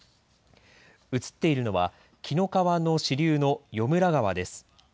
映っているのは紀ノ川の支流の四邑川です。